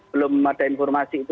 belum ada informasi